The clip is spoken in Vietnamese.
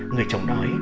người chồng nói